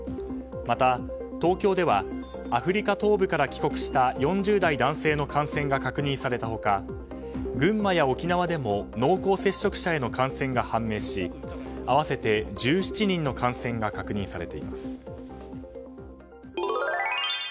また東京ではアフリカ東部から帰国した４０代男性の感染が確認された他群馬や沖縄でも濃厚接触者への感染が判明し合わせて１７人の感染が確認されています。